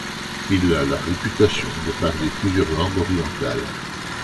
Il a la réputation de parler plusieurs langues orientales.